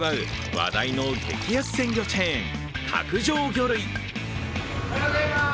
話題の激安鮮魚チェーン、角上魚類。